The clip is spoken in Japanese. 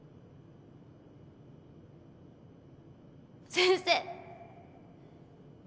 先生。